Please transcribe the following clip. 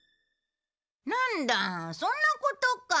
なんだそんなことか。